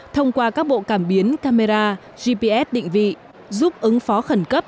thông qua các bộ cảm biến camera gps định vị giúp ứng phó khẩn cấp